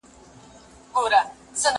زه مړۍ نه خورم،